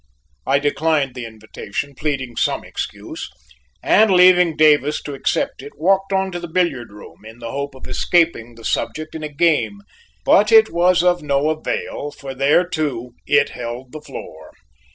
I declined the invitation, pleading some excuse, and leaving Davis to accept it, walked on to the billiard room, in the hope of escaping the subject in a game, but it was of no avail, for there, too, it held the floor.